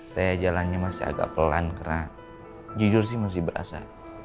saya jalannya masih agak pelan karena jujur sih masih berasa